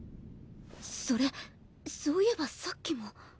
それそういえばさっきも。